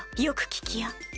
よく聞きや。